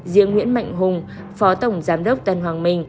riêng nguyễn mạnh hùng phó tổng giám đốc tân hoàng minh